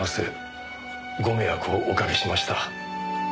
ご迷惑をおかけしました。